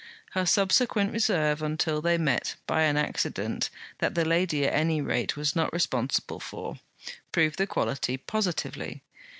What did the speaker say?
Her subsequent reserve until they met by an accident that the lady at any rate was not responsible for, proved the quality positively.